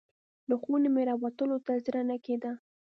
له خونې مې راوتلو ته زړه نه کیده.